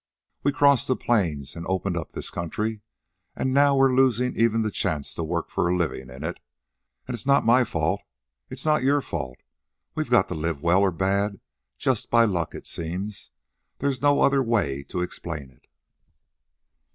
We crossed the plains and opened up this country, and now we're losing even the chance to work for a living in it. And it's not my fault, it's not your fault. We've got to live well or bad just by luck, it seems. There's no other way to explain it."